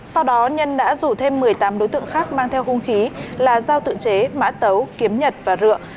sau đó nhân đã rủ thêm một mươi tám đối tượng khác mang theo hung khí là giao tự chế mã tấu kiếm nhật và rượu